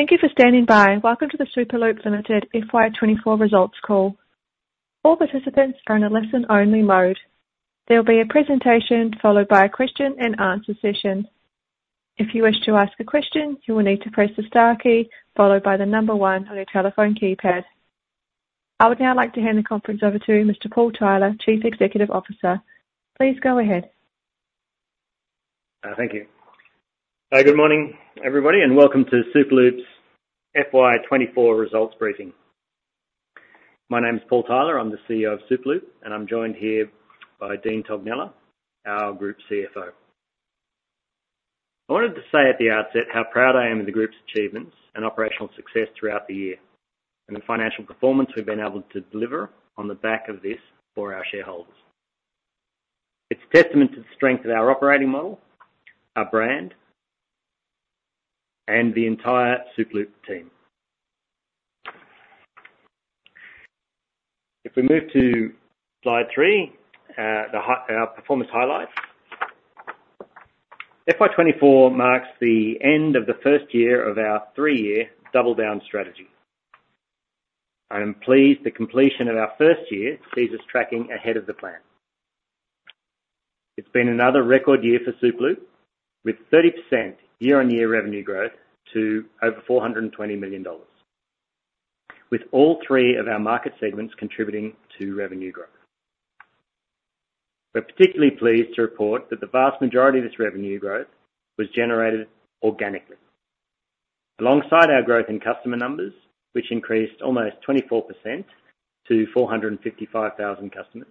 Thank you for standing by. Welcome to the Superloop Limited FY 2024 Results Call. All participants are in a listen-only mode. There will be a presentation, followed by a question-and-answer session. If you wish to ask a question, you will need to press the star key, followed by the number one on your telephone keypad. I would now like to hand the conference over to Mr. Paul Tyler, Chief Executive Officer. Please go ahead. Thank you. Good morning, everybody, and welcome to Superloop's FY 2024 Results briefing. My name is Paul Tyler. I'm the CEO of Superloop, and I'm joined here by Dean Tognella, our Group CFO. I wanted to say at the outset how proud I am of the group's achievements and operational success throughout the year, and the financial performance we've been able to deliver on the back of this for our shareholders. It's a testament to the strength of our operating model, our brand, and the entire Superloop team. If we move to Slide three, our performance highlights. FY 2024 marks the end of the first year of our three-year double down strategy. I am pleased the completion of our first year sees us tracking ahead of the plan. It's been another record year for Superloop, with 30% year-on-year revenue growth to over 420 million dollars, with all three of our market segments contributing to revenue growth. We're particularly pleased to report that the vast majority of this revenue growth was generated organically, alongside our growth in customer numbers, which increased almost 24% to 455,000 customers.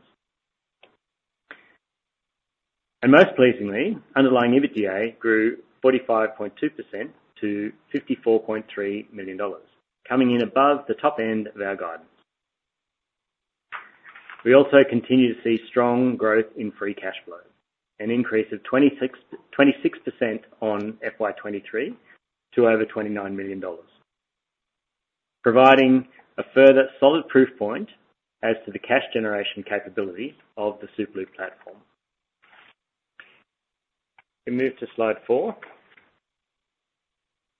Most pleasingly, underlying EBITDA grew 45.2% to 54.3 million dollars, coming in above the top end of our guidance. We also continue to see strong growth in free cash flow, an increase of 26% on FY 2023 to over 29 million dollars, providing a further solid proof point as to the cash generation capability of the Superloop platform. We move to slide 4.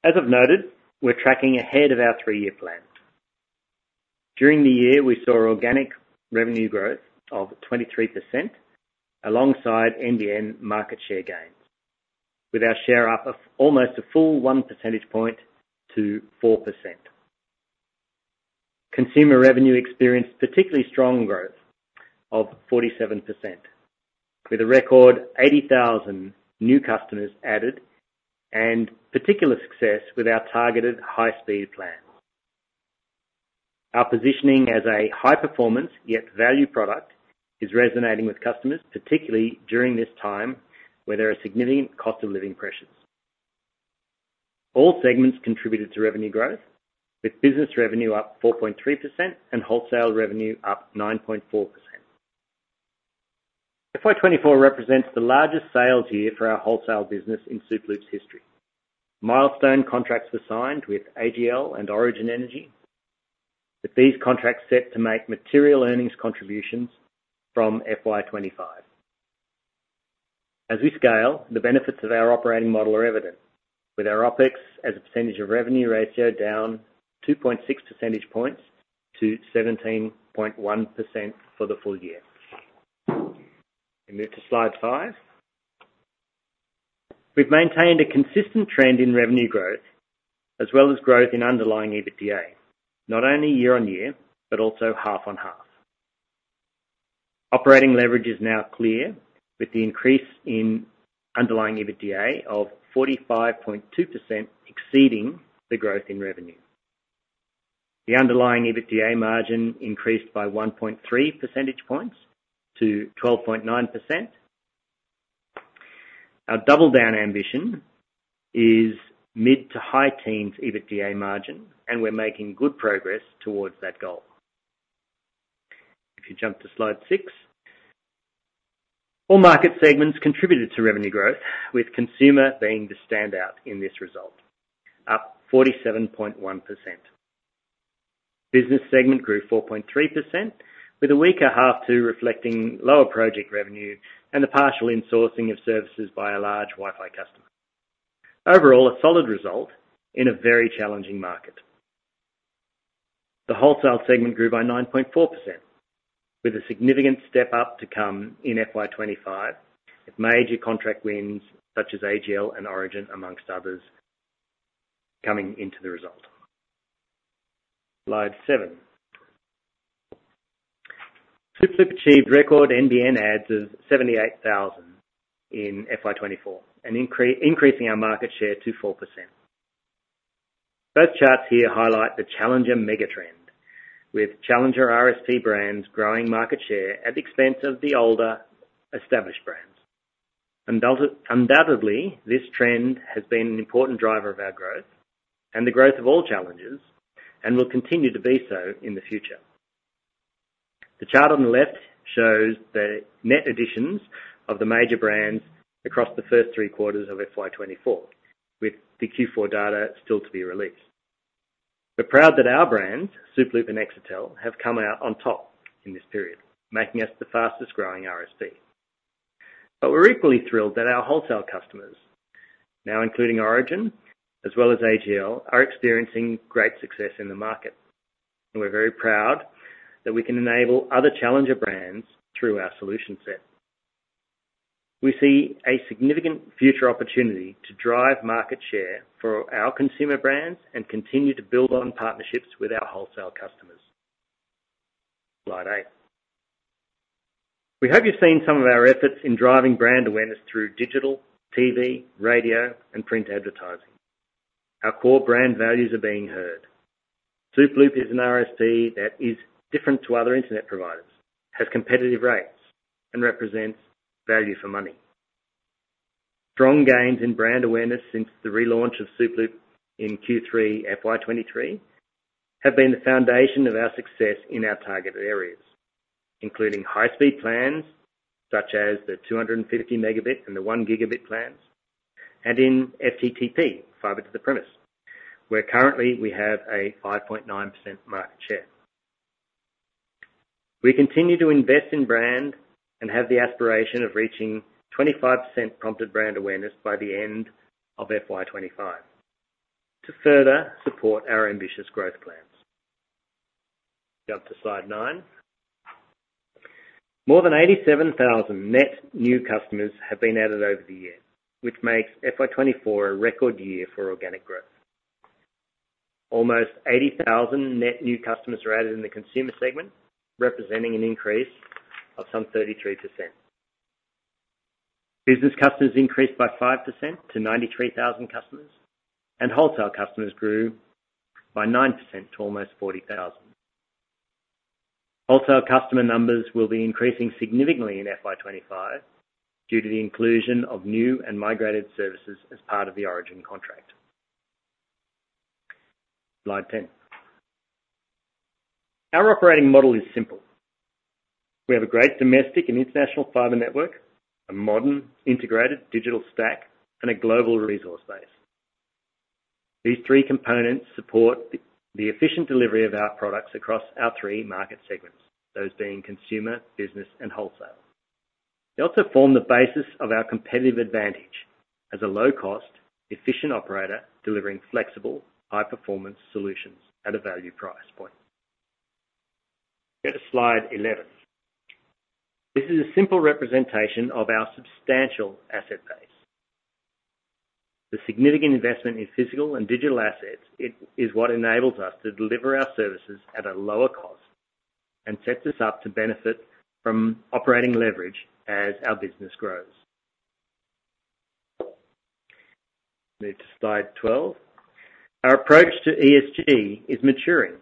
As I've noted, we're tracking ahead of our three-year plan. During the year, we saw organic revenue growth of 23% alongside NBN market share gains, with our share up of almost a full one percentage point to 4%. Consumer revenue experienced particularly strong growth of 47%, with a record 80,000 new customers added and particular success with our targeted high-speed plan. Our positioning as a high-performance, yet value product, is resonating with customers, particularly during this time where there are significant cost of living pressures. All segments contributed to revenue growth, with business revenue up 4.3% and wholesale revenue up 9.4%. FY24 represents the largest sales year for our wholesale business in Superloop's history. Milestone contracts were signed with AGL and Origin Energy, with these contracts set to make material earnings contributions from FY25. As we scale, the benefits of our operating model are evident, with our OpEx as a percentage of revenue ratio down 2.6 percentage points to 17.1% for the full year. We move to slide 5. We've maintained a consistent trend in revenue growth, as well as growth in underlying EBITDA, not only year on year, but also half on half. Operating leverage is now clear, with the increase in underlying EBITDA of 45.2% exceeding the growth in revenue. The underlying EBITDA margin increased by 1.3 percentage points to 12.9%. Our Double Down ambition is mid to high teens EBITDA margin, and we're making good progress towards that goal. If you jump to slide 6. All market segments contributed to revenue growth, with consumer being the standout in this result, up 47.1%. Business segment grew 4.3%, with a weaker H2 reflecting lower project revenue and the partial insourcing of services by a large Wi-Fi customer. Overall, a solid result in a very challenging market. The wholesale segment grew by 9.4%, with a significant step up to come in FY25, with major contract wins such as AGL and Origin, among others, coming into the result. Slide 7. Superloop achieved record NBN adds of 78,000 in FY24, and increasing our market share to 4%. Both charts here highlight the challenger mega trend, with challenger RSP brands growing market share at the expense of the older, established brands. Undoubtedly, this trend has been an important driver of our growth and the growth of all challengers, and will continue to be so in the future. The chart on the left shows the net additions of the major brands across the first three quarters of FY 2024, with the Q4 data still to be released. We're proud that our brands, Superloop and Exetel, have come out on top in this period, making us the fastest growing RSP. But we're equally thrilled that our wholesale customers, now including Origin as well as AGL, are experiencing great success in the market, and we're very proud that we can enable other challenger brands through our solution set. We see a significant future opportunity to drive market share for our consumer brands and continue to build on partnerships with our wholesale customers. Slide eight. We hope you've seen some of our efforts in driving brand awareness through digital, TV, radio, and print advertising. Our core brand values are being heard. Superloop is an RSP that is different to other internet providers, has competitive rates, and represents value for money. Strong gains in brand awareness since the relaunch of Superloop in Q3 FY 2023 have been the foundation of our success in our target areas, including high-speed plans, such as the 250 megabits and the 1 gigabit plans, and in FTTP, Fiber to the Premise, where currently we have a 5.9% market share. We continue to invest in brand and have the aspiration of reaching 25% prompted brand awareness by the end of FY 2025, to further support our ambitious growth plans. Jump to slide 9. More than 87,000 net new customers have been added over the year, which makes FY 2024 a record year for organic growth. Almost 80,000 net new customers are added in the consumer segment, representing an increase of some 33%. Business customers increased by 5% to 93,000 customers, and wholesale customers grew by 9% to almost 40,000. Wholesale customer numbers will be increasing significantly in FY 2025 due to the inclusion of new and migrated services as part of the Origin contract. Slide 10. Our operating model is simple. We have a great domestic and international fiber network, a modern, integrated digital stack, and a global resource base. These three components support the efficient delivery of our products across our three market segments, those being consumer, business, and wholesale. They also form the basis of our competitive advantage as a low-cost, efficient operator, delivering flexible, high-performance solutions at a value price point. Go to Slide 11. This is a simple representation of our substantial asset base. The significant investment in physical and digital assets, it is what enables us to deliver our services at a lower cost and sets us up to benefit from operating leverage as our business grows. Move to slide twelve. Our approach to ESG is maturing.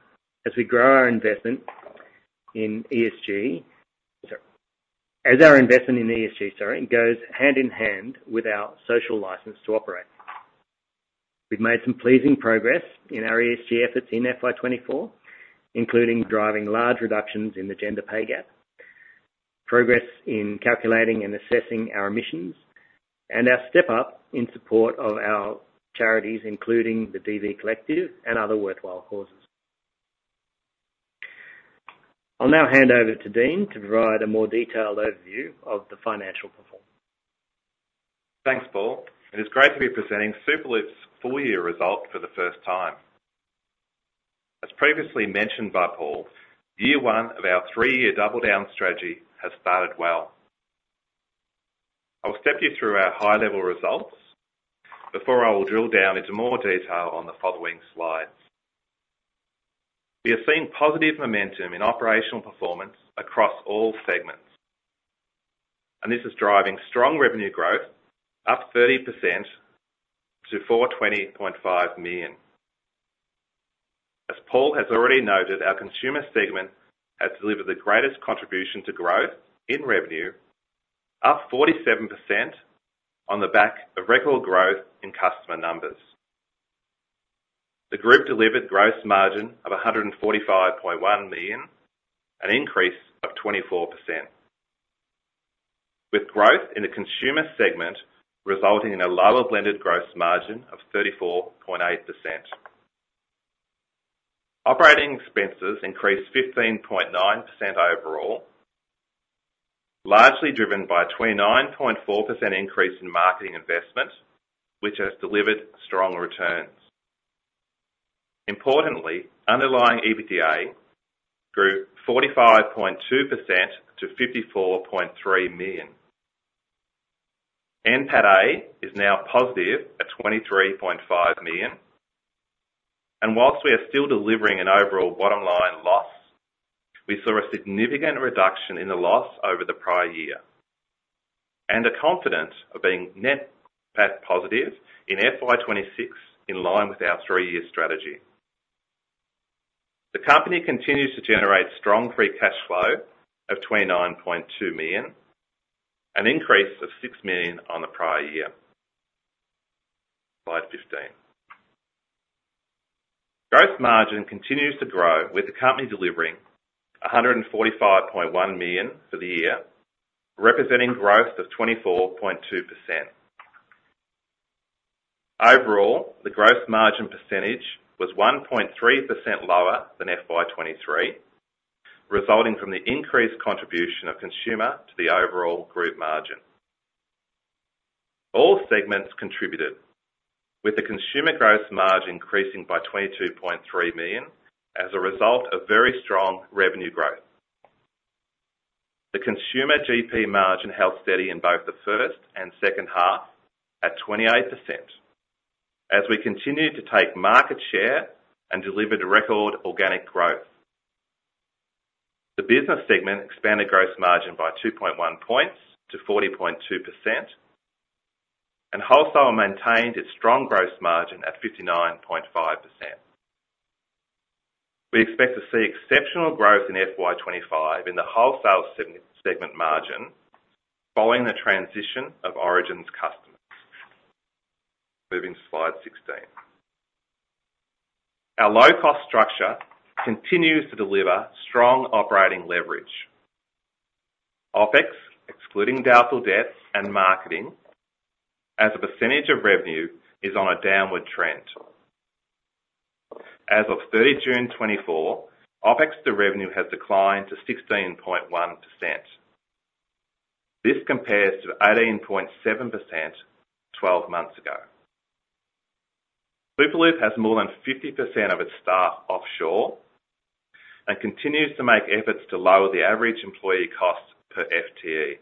Sorry, as our investment in ESG goes hand-in-hand with our social license to operate. We've made some pleasing progress in our ESG efforts in FY 2024, including driving large reductions in the gender pay gap, progress in calculating and assessing our emissions, and our step up in support of our charities, including the DV Collective and other worthwhile causes. I'll now hand over to Dean to provide a more detailed overview of the financial performance. Thanks, Paul, and it's great to be presenting Superloop's full year result for the first time. As previously mentioned by Paul, year one of our three-year Double Down strategy has started well. I'll step you through our high-level results before I will drill down into more detail on the following slides. We have seen positive momentum in operational performance across all segments, and this is driving strong revenue growth, up 30% to 420.5 million. As Paul has already noted, our consumer segment has delivered the greatest contribution to growth in revenue, up 47% on the back of regular growth in customer numbers. The group delivered gross margin of 145.1 million, an increase of 24%, with growth in the consumer segment resulting in a lower blended gross margin of 34.8%. Operating expenses increased 15.9% overall, largely driven by a 29.4% increase in marketing investment, which has delivered strong returns. Importantly, underlying EBITDA grew 45.2% to 54.3 million. NPATA is now positive at 23.5 million, and while we are still delivering an overall bottom line loss, we saw a significant reduction in the loss over the prior year, and the confidence of being net positive in FY 2026, in line with our three-year strategy. The company continues to generate strong free cash flow of 29.2 million, an increase of 6 million on the prior year. Slide 15. Gross margin continues to grow, with the company delivering 145.1 million for the year, representing growth of 24.2%....Overall, the gross margin percentage was 1.3% lower than FY23, resulting from the increased contribution of consumer to the overall group margin. All segments contributed, with the consumer gross margin increasing by 22.3 million, as a result of very strong revenue growth. The consumer GP margin held steady in both the first and second half at 28%, as we continued to take market share and delivered a record organic growth. The business segment expanded gross margin by 2.1 points to 40.2%, and wholesale maintained its strong gross margin at 59.5%. We expect to see exceptional growth in FY 2025 in the wholesale segment margin, following the transition of Origin's customers. Moving to Slide 16. Our low-cost structure continues to deliver strong operating leverage. OpEx, excluding doubtful debt and marketing as a percentage of revenue, is on a downward trend. As of 30 June 2024, OpEx to revenue has declined to 16.1%. This compares to 18.7% twelve months ago. Superloop has more than 50% of its staff offshore and continues to make efforts to lower the average employee cost per FTE.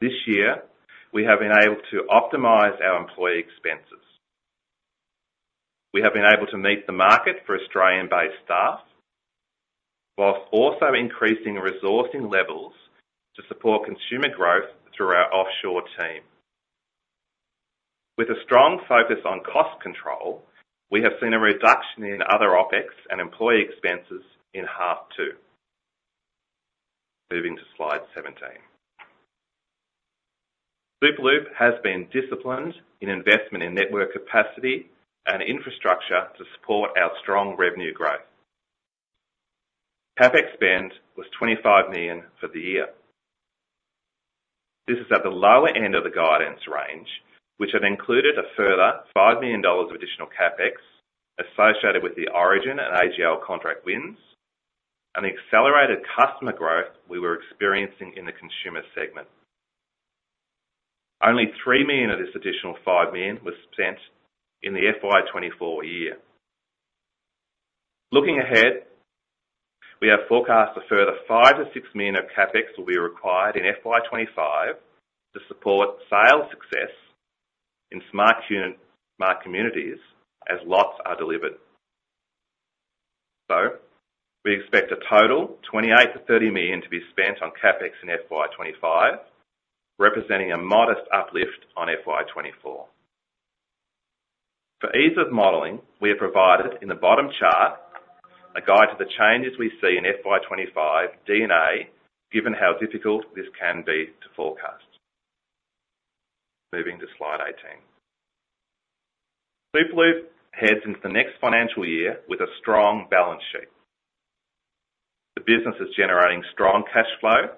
This year, we have been able to optimize our employee expenses. We have been able to meet the market for Australian-based staff, while also increasing resourcing levels to support consumer growth through our offshore team. With a strong focus on cost control, we have seen a reduction in other OpEx and employee expenses in H2. Moving to Slide 17. Superloop has been disciplined in investment in network capacity and infrastructure to support our strong revenue growth. CapEx spend was 25 million for the year. This is at the lower end of the guidance range, which had included a further 5 million dollars of additional CapEx associated with the Origin and AGL contract wins and the accelerated customer growth we were experiencing in the consumer segment. Only 3 million of this additional 5 million was spent in the FY 2024 year. Looking ahead, we have forecast a further 5 million to 6 million of CapEx will be required in FY 2025 to support sales success in Smart Communities as lots are delivered. We expect a total 28-30 million to be spent on CapEx in FY25, representing a modest uplift on FY24. For ease of modeling, we have provided in the bottom chart a guide to the changes we see in FY25 NBN, given how difficult this can be to forecast. Moving to Slide 18. Superloop heads into the next financial year with a strong balance sheet. The business is generating strong cash flow,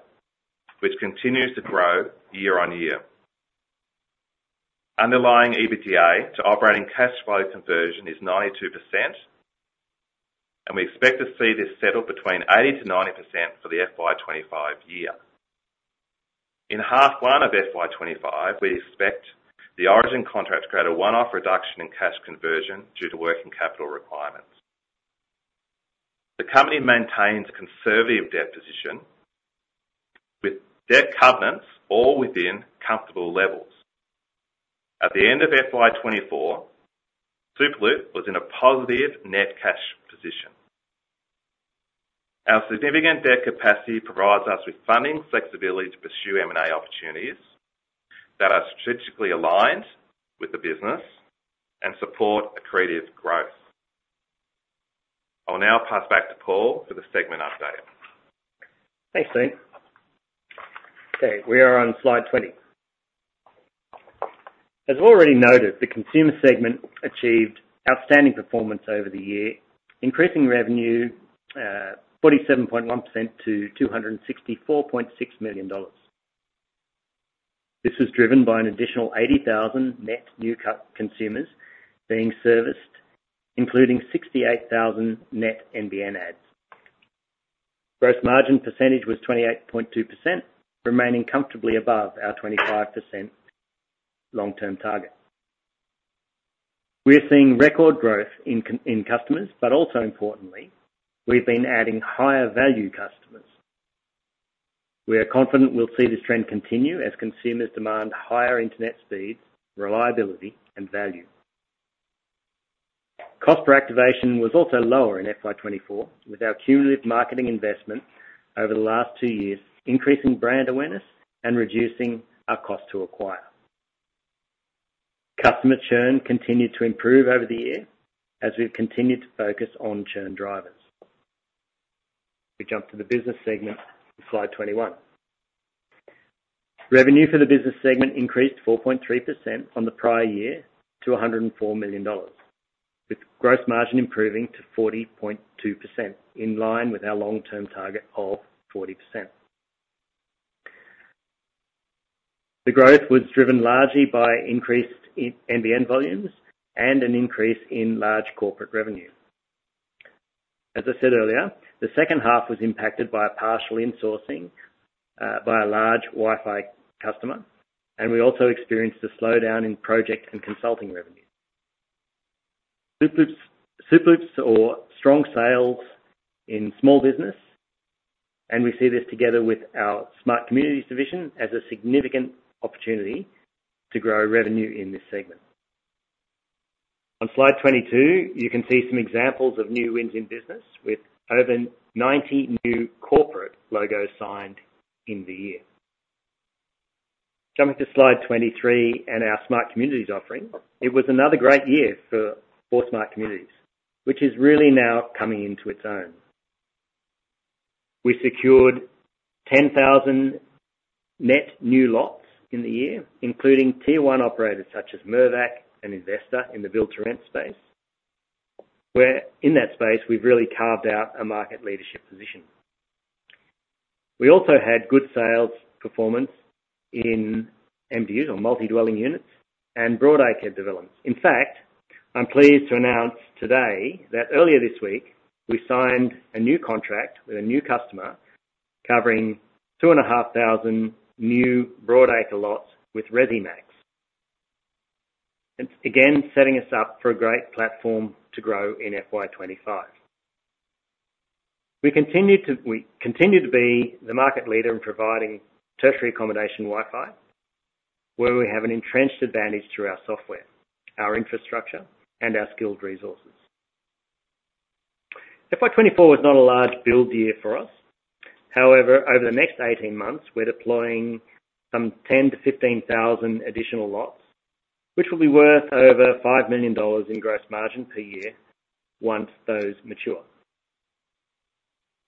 which continues to grow year on year. Underlying EBITDA to operating cash flow conversion is 92%, and we expect to see this settle between 80-90% for the FY25 year. In half one of FY25, we expect the Origin contract to create a one-off reduction in cash conversion due to working capital requirements. The company maintains conservative debt position, with debt covenants all within comfortable levels. At the end of FY24, Superloop was in a positive net cash position. Our significant debt capacity provides us with funding flexibility to pursue M&A opportunities that are strategically aligned with the business and support accretive growth. I'll now pass back to Paul for the segment update. Thanks, Dean. Okay, we are on slide 20. As already noted, the consumer segment achieved outstanding performance over the year, increasing revenue 47.1% to 264.6 million dollars. This was driven by an additional 80,000 net new consumers being serviced, including 68,000 net NBN adds. Gross margin percentage was 28.2%, remaining comfortably above our 25% long-term target. We are seeing record growth in in customers, but also importantly, we've been adding higher value customers. We are confident we'll see this trend continue as consumers demand higher internet speed, reliability, and value. Cost per activation was also lower in FY24, with our cumulative marketing investment over the last two years, increasing brand awareness and reducing our cost to acquire. Customer churn continued to improve over the year as we've continued to focus on churn drivers. We jump to the business segment, Slide 21. Revenue for the business segment increased 4.3% from the prior year to 104 million dollars, with gross margin improving to 40.2%, in line with our long-term target of 40%. The growth was driven largely by increased in NBN volumes and an increase in large corporate revenue. As I said earlier, the second half was impacted by a partial insourcing by a large Wi-Fi customer, and we also experienced a slowdown in project and consulting revenue. Superloop saw strong sales in small business, and we see this together with our Smart Communities division, as a significant opportunity to grow revenue in this segment. On Slide 22, you can see some examples of new wins in business, with over 90 new corporate logos signed in the year. Jumping to Slide 23 and our Smart Communities offering, it was another great year for Smart Communities, which is really now coming into its own. We secured 10,000 net new lots in the year, including Tier One operators such as Mirvac and Investa in the build-to-rent space, where in that space, we've really carved out a market leadership position. We also had good sales performance in MDUs, or multi-dwelling units, and broadacre developments. In fact, I'm pleased to announce today that earlier this week, we signed a new contract with a new customer covering 2,500 new broadacre lots with Resimax. Again, setting us up for a great platform to grow in FY25. We continue to be the market leader in providing tertiary accommodation Wi-Fi, where we have an entrenched advantage through our software, our infrastructure, and our skilled resources. FY 2024 was not a large build year for us. However, over the next 18 months, we're deploying some 10,000-15,000 additional lots, which will be worth over 5 million dollars in gross margin per year once those mature.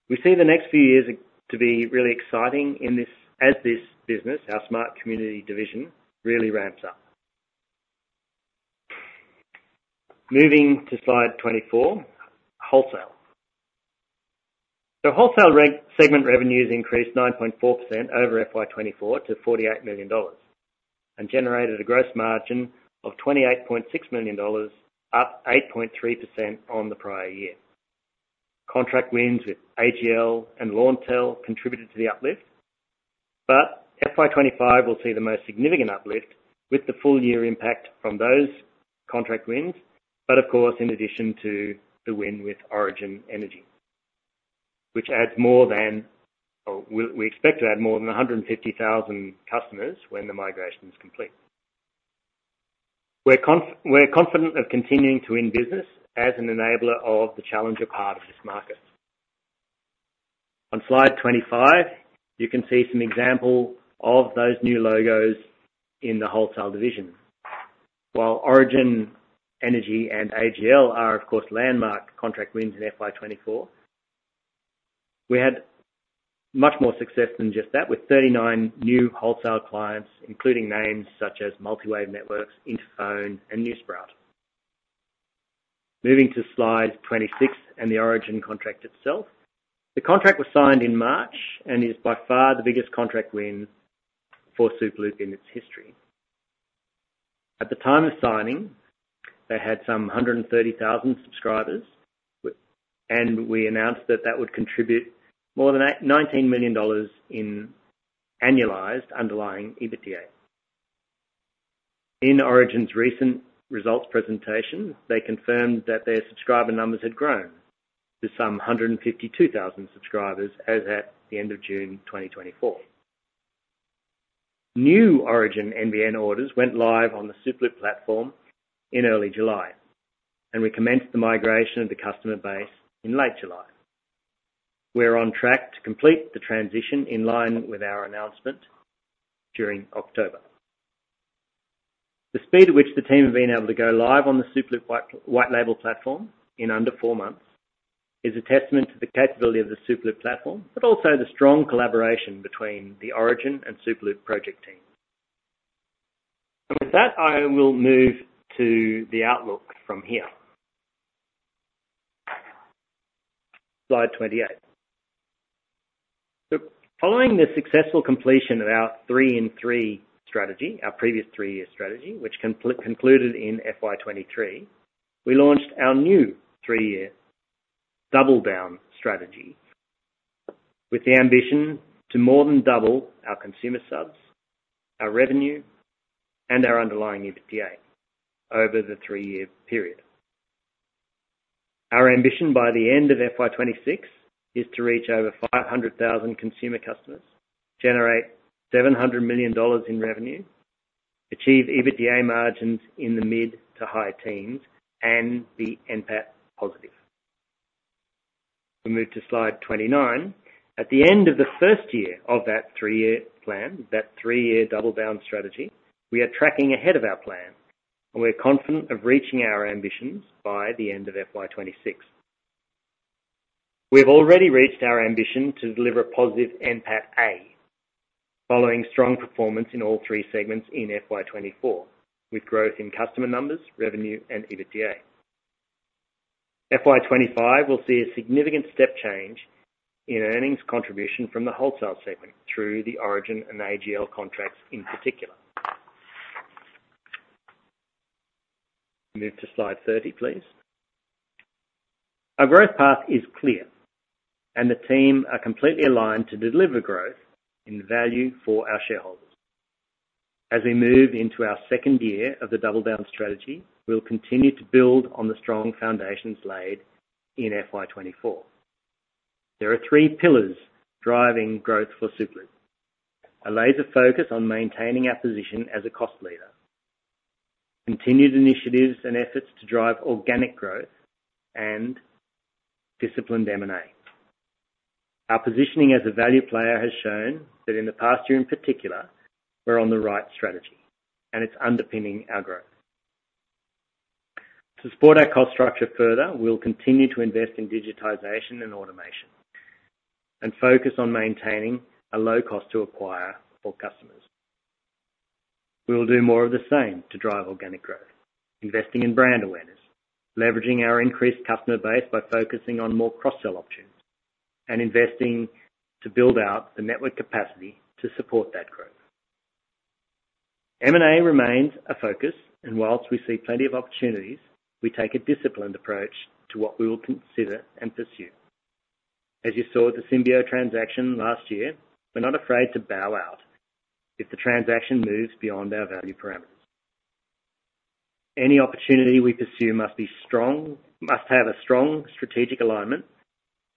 We see the next few years going to be really exciting in this as this business, our Smart Community division, really ramps up. Moving to Slide 24, wholesale. The wholesale segment revenues increased 9.4% over FY 2024 to 48 million dollars, and generated a gross margin of 28.6 million dollars, up 8.3% on the prior year. Contract wins with AGL and Launtel contributed to the uplift, but FY 2025 will see the most significant uplift, with the full year impact from those contract wins, but of course, in addition to the win with Origin Energy, which adds more than, or we expect to add more than 150,000 customers when the migration is complete. We're confident of continuing to win business as an enabler of the challenger part of this market. On Slide 25, you can see some example of those new logos in the wholesale division. While Origin Energy and AGL are, of course, landmark contract wins in FY 2024, we had much more success than just that, with 39 new wholesale clients, including names such as MultiWave Networks, Interphone, and New Sprout. Moving to Slide 26 and the Origin contract itself. The contract was signed in March, and is by far the biggest contract win for Superloop in its history. At the time of signing, they had some 130,000 subscribers, and we announced that that would contribute more than 19 million dollars in annualized underlying EBITDA. In Origin's recent results presentation, they confirmed that their subscriber numbers had grown to some 152,000 subscribers as at the end of June 2024. New Origin NBN orders went live on the Superloop platform in early July, and we commenced the migration of the customer base in late July. We're on track to complete the transition in line with our announcement during October. The speed at which the team have been able to go live on the Superloop white label platform in under four months is a testament to the capability of the Superloop platform, but also the strong collaboration between the Origin and Superloop project teams, and with that, I will move to the outlook from here. Slide 28. Following the successful completion of our three-in-three strategy, our previous three-year strategy, which concluded in FY 2023, we launched our new three-year Double Down strategy, with the ambition to more than double our consumer subs, our revenue, and our underlying EBITDA over the three-year period. Our ambition by the end of FY 2026 is to reach over 500,000 consumer customers, generate 700 million dollars in revenue, achieve EBITDA margins in the mid- to high teens, and be NPAT positive. We move to Slide 29. At the end of the first year of that three-year plan, that three-year Double Down strategy, we are tracking ahead of our plan, and we're confident of reaching our ambitions by the end of FY 2026. We've already reached our ambition to deliver a positive NPATA, following strong performance in all three segments in FY 2024, with growth in customer numbers, revenue, and EBITDA. FY 2025 will see a significant step change in earnings contribution from the wholesale segment through the Origin and AGL contracts in particular. Move to slide 30, please. Our growth path is clear, and the team are completely aligned to deliver growth in value for our shareholders. As we move into our second year of the Double Down strategy, we'll continue to build on the strong foundations laid in FY 2024. There are three pillars driving growth for Superloop: a laser focus on maintaining our position as a cost leader, continued initiatives and efforts to drive organic growth, and disciplined M&A. Our positioning as a value player has shown that in the past year, in particular, we're on the right strategy, and it's underpinning our growth. To support our cost structure further, we'll continue to invest in digitization and automation, and focus on maintaining a low cost to acquire for customers. We will do more of the same to drive organic growth, investing in brand awareness, leveraging our increased customer base by focusing on more cross-sell options, and investing to build out the network capacity to support that growth. M&A remains a focus, and while we see plenty of opportunities, we take a disciplined approach to what we will consider and pursue. As you saw with the Symbio transaction last year, we're not afraid to bow out if the transaction moves beyond our value parameters. Any opportunity we pursue must have a strong strategic alignment,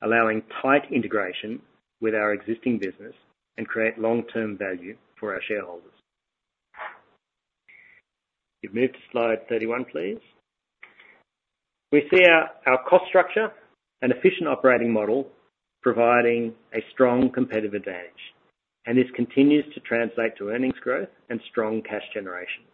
allowing tight integration with our existing business and create long-term value for our shareholders. You've moved to slide 31, please. We see our cost structure and efficient operating model providing a strong competitive advantage, and this continues to translate to earnings growth and strong cash generation.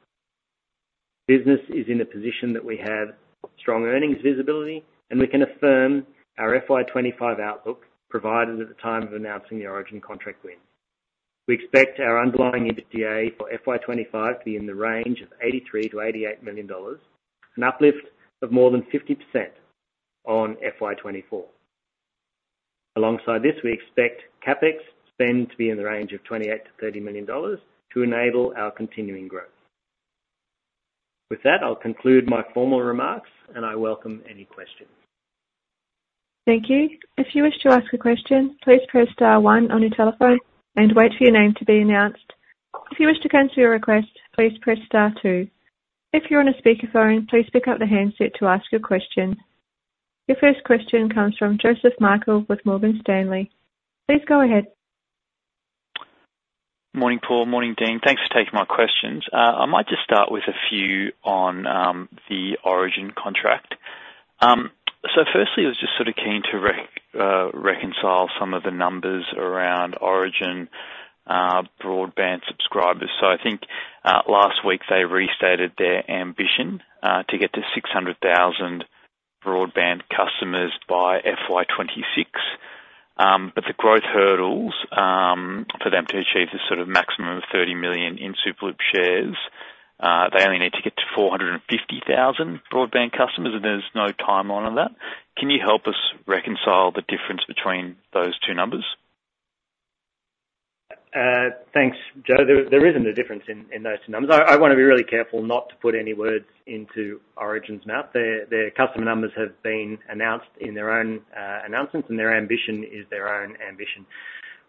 Business is in a position that we have strong earnings visibility, and we can affirm our FY25 outlook, provided at the time of announcing the Origin contract win. We expect our underlying EBITDA for FY25 to be in the range of 83 million-88 million dollars, an uplift of more than 50% on FY24. Alongside this, we expect CapEx spend to be in the range of 28 million-30 million dollars to enable our continuing growth. With that, I'll conclude my formal remarks, and I welcome any questions. Thank you. If you wish to ask a question, please press star one on your telephone and wait for your name to be announced. If you wish to cancel your request, please press star two. If you're on a speakerphone, please pick up the handset to ask your question. Your first question comes from Joseph Michael with Morgan Stanley. Please go ahead. Morning, Paul. Morning, Dean. Thanks for taking my questions. I might just start with a few on the Origin contract, so firstly, I was just sort of keen to reconcile some of the numbers around Origin broadband subscribers, so I think last week, they restated their ambition to get to 600,000 broadband customers by FY26, but the growth hurdles for them to achieve this sort of maximum of 30 million in Superloop shares, they only need to get to 450,000 broadband customers, and there's no timeline on that. Can you help us reconcile the difference between those two numbers? Thanks, Joe. There isn't a difference in those two numbers. I wanna be really careful not to put any words into Origin's mouth. Their customer numbers have been announced in their own announcements, and their ambition is their own ambition.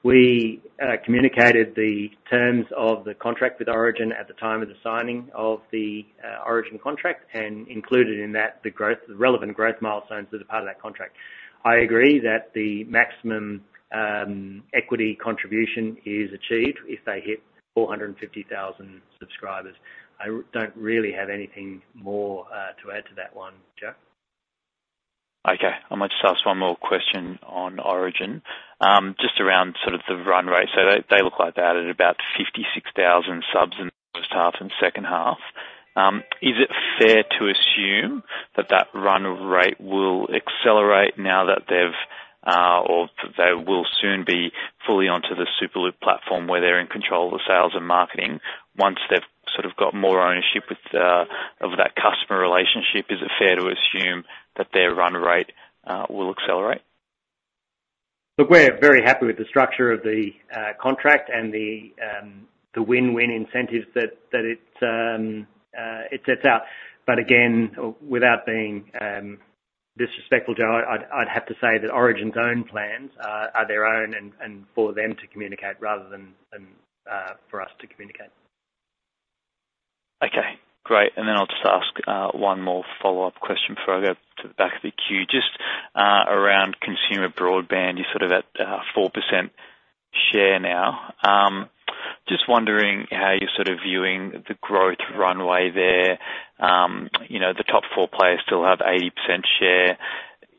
We communicated the terms of the contract with Origin at the time of the signing of the Origin contract, and included in that, the growth, the relevant growth milestones that are part of that contract. I agree that the maximum equity contribution is achieved if they hit 450,000 subscribers. I don't really have anything more to add to that one, Joe. Okay. I might just ask one more question on Origin. Just around sort of the run rate. So they, they look like they're at about 56,000 subs in the first half and second half. Is it fair to assume that that run rate will accelerate now that they've, or they will soon be fully onto the Superloop platform, where they're in control of the sales and marketing, once they've sort of got more ownership with, of that customer relationship? Is it fair to assume that their run rate, will accelerate? Look, we're very happy with the structure of the contract and the win-win incentives that it sets out. But again, without being disrespectful, Joe, I'd have to say that Origin's own plans are their own and for them to communicate rather than for us to communicate. Okay, great. And then I'll just ask one more follow-up question before I go to the back of the queue. Just around consumer broadband, you're sort of at 4% share now. Just wondering how you're sort of viewing the growth runway there. You know, the top four players still have 80% share.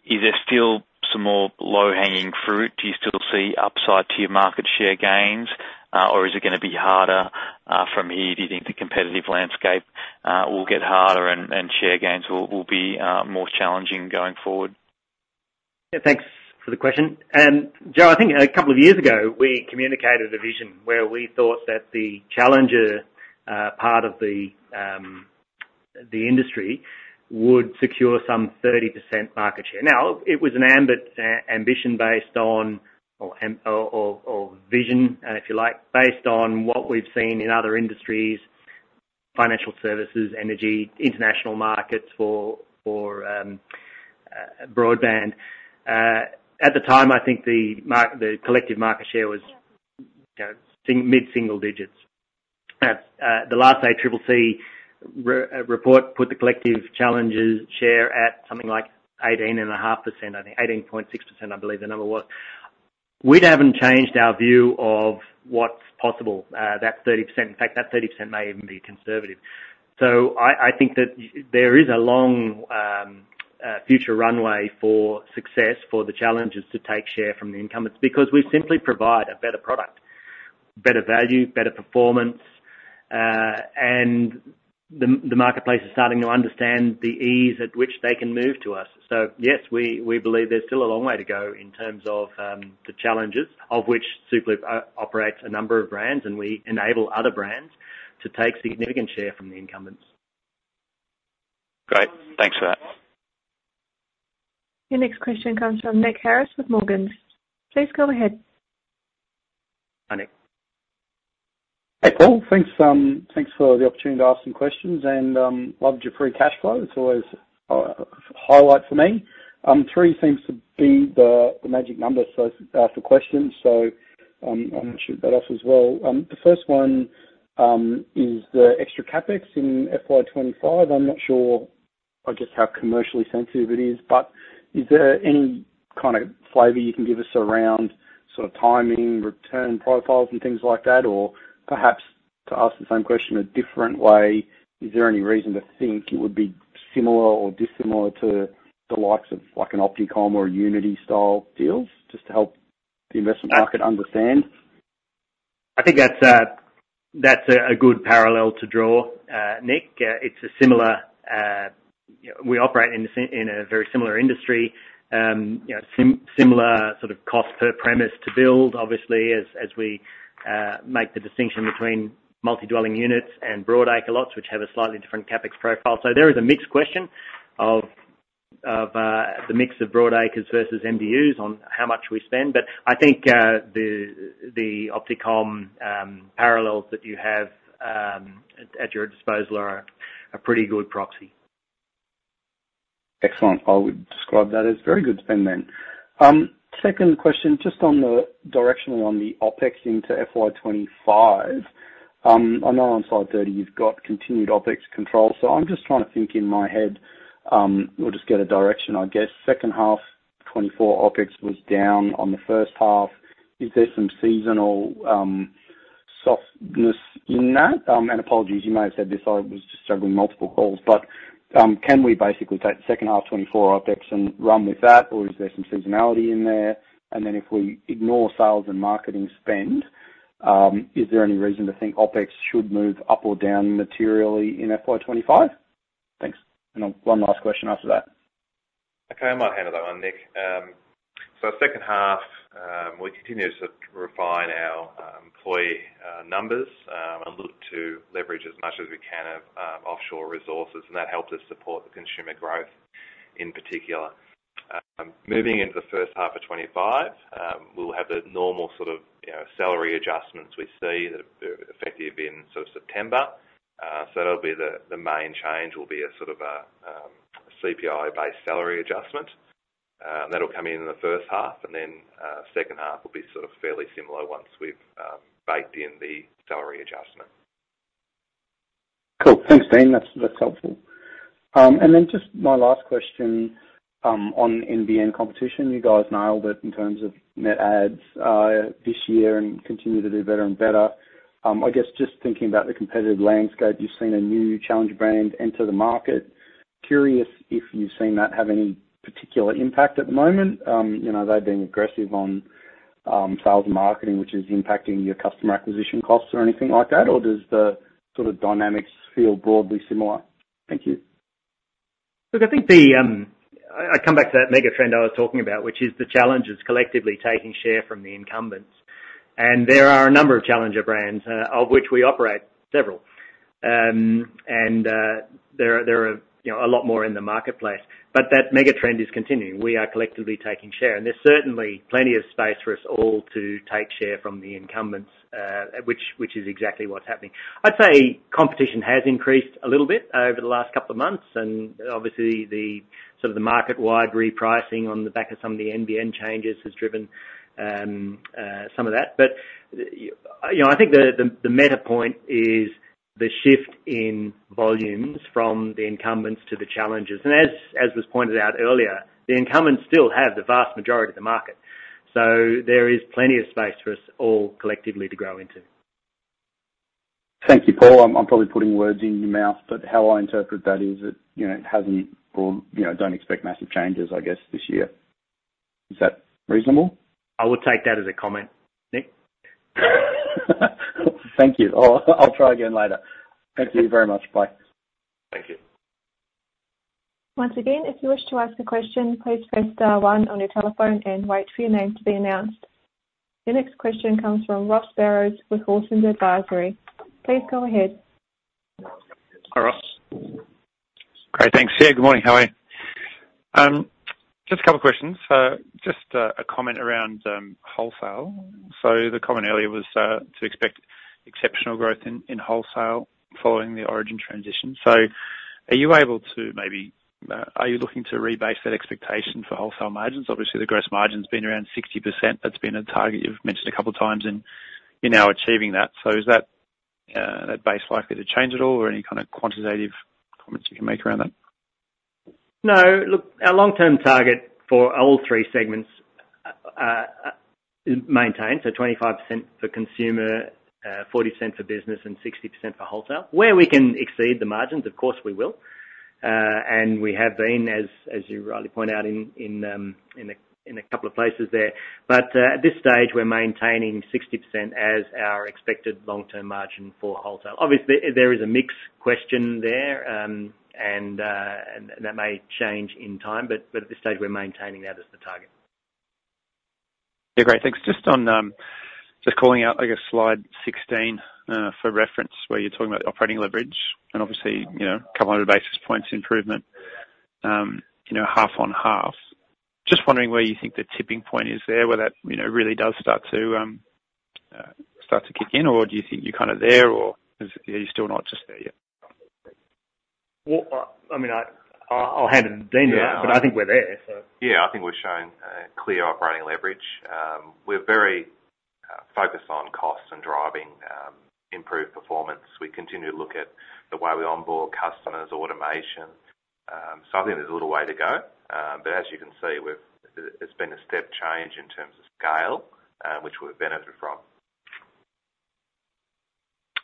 Is there still some more low-hanging fruit? Do you still see upside to your market share gains, or is it gonna be harder from here? Do you think the competitive landscape will get harder and share gains will be more challenging going forward? Yeah, thanks for the question. And Joe, I think a couple of years ago, we communicated a vision where we thought that the challenger part of the industry would secure some 30% market share. Now, it was an ambition based on our vision, if you like, based on what we've seen in other industries: financial services, energy, international markets for broadband. At the time, I think the collective market share was, you know, mid-single digits. The last ACCC report put the collective challengers' share at something like 18.5%, I think, 18.6%, I believe the number was. We haven't changed our view of what's possible, that 30%, in fact, that 30% may even be conservative. So I think that there is a long future runway for success for the challengers to take share from the incumbents, because we simply provide a better product, better value, better performance, and the marketplace is starting to understand the ease at which they can move to us. So yes, we believe there's still a long way to go in terms of the challenges of which Superloop operates a number of brands, and we enable other brands to take significant share from the incumbents. Great. Thanks for that. Your next question comes from Nick Harris with Morgans. Please go ahead. Hi, Nick. Hey, Paul. Thanks, thanks for the opportunity to ask some questions, and loved your free cash flow. It's always a highlight for me. Three seems to be the magic number, so for questions, so I'm going to shoot that off as well. The first one is the extra CapEx in FY25. I'm not sure, I guess, how commercially sensitive it is, but is there any kind of flavor you can give us around sort of timing, return profiles, and things like that, or perhaps to ask the same question a different way, is there any reason to think it would be similar or dissimilar to the likes of an Opticomm or Uniti style deals, just to help the investment market understand? I think that's a good parallel to draw, Nick. It's a similar, you know, we operate in a very similar industry. You know, similar sort of cost per premise to build, obviously, as we make the distinction between multi-dwelling units and broadacre lots, which have a slightly different CapEx profile. So there is a mixed question of the mix of broadacres versus MDUs on how much we spend. But I think the Opticomm parallels that you have at your disposal are a pretty good proxy. Excellent. I would describe that as very good spend then. Second question, just on the direction on the OpEx into FY25. I know on slide 30, you've got continued OpEx control, so I'm just trying to think in my head, we'll just get a direction, I guess. Second half 24 OpEx was down on the first half. Is there some seasonal softness in that? And apologies, you may have said this, I was just struggling with multiple calls. But can we basically take the second half 24 OpEx and run with that, or is there some seasonality in there? And then if we ignore sales and marketing spend, is there any reason to think OpEx should move up or down materially in FY25? Thanks. And one last question after that. Okay, I might handle that one, Nick. So second half, we continue to refine our employee numbers and look to leverage as much as we can of offshore resources, and that helped us support the consumer growth, in particular. Moving into the first half of 2025, we'll have the normal sort of, you know, salary adjustments we see that are effective in sort of September. So that'll be the main change will be a sort of a CPI-based salary adjustment. That'll come in in the first half, and then second half will be sort of fairly similar once we've baked in the salary adjustment. Cool. Thanks, Dean. That's, that's helpful. And then just my last question on NBN competition. You guys nailed it in terms of net adds, this year, and continue to do better and better. I guess just thinking about the competitive landscape, you've seen a new challenger brand enter the market. Curious if you've seen that have any particular impact at the moment? You know, they've been aggressive on, sales and marketing, which is impacting your customer acquisition costs or anything like that, or does the sort of dynamics feel broadly similar? Thank you. Look, I think I come back to that mega trend I was talking about, which is the challengers collectively taking share from the incumbents. And there are a number of challenger brands of which we operate several. And there are you know a lot more in the marketplace, but that mega trend is continuing. We are collectively taking share, and there's certainly plenty of space for us all to take share from the incumbents which is exactly what's happening. I'd say competition has increased a little bit over the last couple of months, and obviously the sort of the market-wide repricing on the back of some of the NBN changes has driven some of that. But you know I think the meta point is the shift in volumes from the incumbents to the challengers. As was pointed out earlier, the incumbents still have the vast majority of the market, so there is plenty of space for us all collectively to grow into. Thank you, Paul. I'm probably putting words in your mouth, but how I interpret that is that, you know, it hasn't or, you know, don't expect massive changes, I guess, this year. Is that reasonable? I would take that as a comment, Nick. Thank you. I'll try again later. Thank you very much. Bye. Thank you. Once again, if you wish to ask a question, please press star one on your telephone and wait for your name to be announced. The next question comes from Ross Barrows with Wilsons Advisory. Please go ahead. Hi, Ross. Great, thanks. Yeah, good morning. How are you? Just a couple of questions. Just a comment around wholesale. So the comment earlier was to expect exceptional growth in wholesale following the Origin transition. So are you able to maybe are you looking to rebase that expectation for wholesale margins? Obviously, the gross margin's been around 60%. That's been a target you've mentioned a couple of times, and you're now achieving that. So is that base likely to change at all, or any kind of quantitative comments you can make around that? No. Look, our long-term target for all three segments maintained, so 25% for consumer, 40% for business, and 60% for wholesale. Where we can exceed the margins, of course, we will, and we have been, as you rightly point out, in a couple of places there. But at this stage, we're maintaining 60% as our expected long-term margin for wholesale. Obviously, there is a mix question there, and that may change in time, but at this stage, we're maintaining that as the target. Yeah, great. Thanks. Just on, just calling out, I guess, slide 16 for reference, where you're talking about operating leverage and obviously, you know, a couple 100 basis points improvement, you know, half on half. Just wondering where you think the tipping point is there, where that, you know, really does start to kick in, or do you think you're kind of there, or is, are you still not just there yet? Well, I mean, I'll hand it to Dean now, but I think we're there, so. Yeah, I think we're showing clear operating leverage. We're very focused on costs and driving improved performance. We continue to look at the way we onboard customers, automation. So I think there's a little way to go, but as you can see, it's been a step change in terms of scale, which we've benefited from.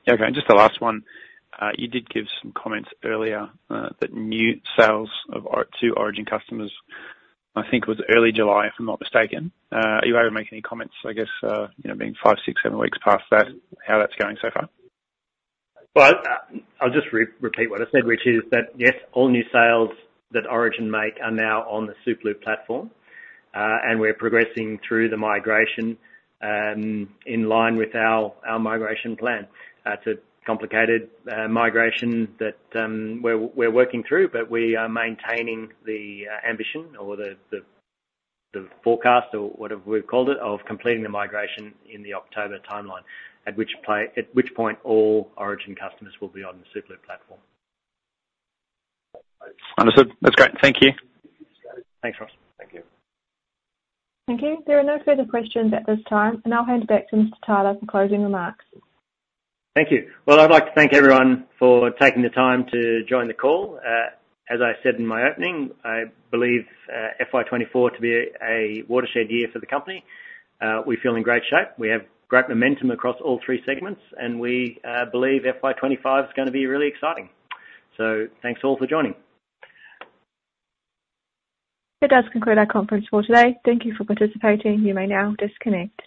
Okay, and just the last one. You did give some comments earlier, that new sales to Origin customers, I think it was early July, if I'm not mistaken. Are you able to make any comments, I guess, you know, being five, six, seven weeks past that, how that's going so far? I'll just repeat what I said, which is that, yes, all new sales that Origin make are now on the Superloop platform, and we're progressing through the migration, in line with our migration plan. It's a complicated migration that we're working through, but we are maintaining the ambition or the forecast, or whatever we've called it, of completing the migration in the October timeline, at which point, all Origin customers will be on the Superloop platform. Understood. That's great. Thank you. Thanks, Ross. Thank you. There are no further questions at this time, and I'll hand it back to Mr. Tyler for closing remarks. Thank you. Well, I'd like to thank everyone for taking the time to join the call. As I said in my opening, I believe FY 2024 to be a watershed year for the company. We feel in great shape. We have great momentum across all three segments, and we believe FY 2025 is gonna be really exciting. So thanks, all, for joining. That does conclude our conference for today. Thank you for participating. You may now disconnect.